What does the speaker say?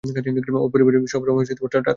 ওর পরিবারে সবসময় টাকা ছিল।